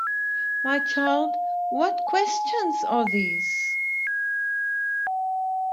My child, what questions are these!